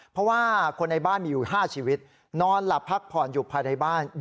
เพราะว่าคนในบ้านมีอยู่๕ชีวิตนอนหลับพักผ่อนอยู่ภายในบ้าน